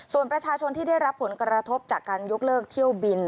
ส่วนประชาชนที่ได้รับผลกระทบจากการยกเลิกเที่ยวบิน